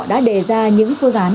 đã đề ra những cố gắng